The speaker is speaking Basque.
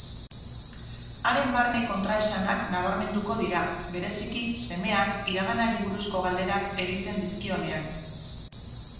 Haren barne kontraesanak nabarmenduko dira, bereziki semeak iraganari buruzko galderak egiten dizkionean.